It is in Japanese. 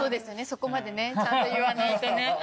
そこまでねちゃんと言わないとね。